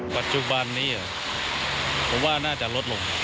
ปัจจุบันนี้ผมว่าน่าจะลดลง